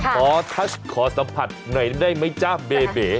ขอทัชขอสัมผัสหน่อยได้ไหมจ๊ะเบเบ